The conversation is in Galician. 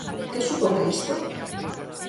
Que suporá isto?